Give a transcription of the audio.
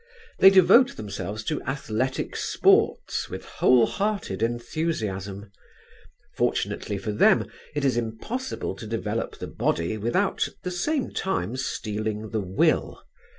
They devote themselves to athletic sports with whole hearted enthusiasm. Fortunately for them it is impossible to develop the body without at the same time steeling the will.